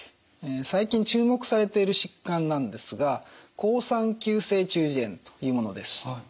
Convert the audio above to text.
最近注目されている疾患なんですが好酸球性中耳炎というものです。